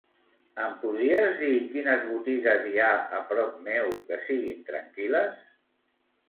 Em podries dir quines botigues hi ha a prop meu que siguin tranquil·les?